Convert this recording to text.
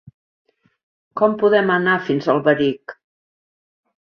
Com podem anar fins a Alberic?